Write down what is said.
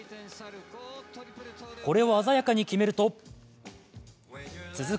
これを鮮やかに決めると続く